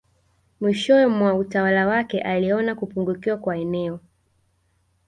Mwishowe mwa utawala wake aliona kupungukiwa kwa eneo